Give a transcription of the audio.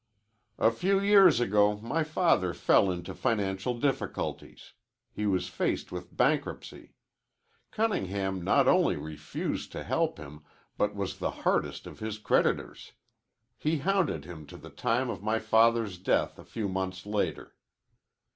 "A few years ago my father fell into financial difficulties. He was faced with bankruptcy. Cunningham not only refused to help him, but was the hardest of his creditors. He hounded him to the time of my father's death a few months later.